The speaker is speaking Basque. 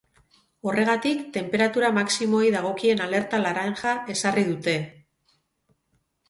Horregatik, tenperatura maximoei dagokien alerta laranja ezarri dute.